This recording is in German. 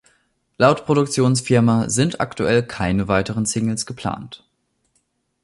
Laut Produktionsfirma sind aktuell keine weiteren Singles geplant.